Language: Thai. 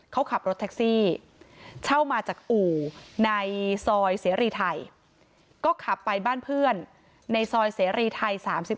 เขาขับรถแท็กซี่เช่ามาจากอู่ในซอยเสรีไทยก็ขับไปบ้านเพื่อนในซอยเสรีไทย๓๔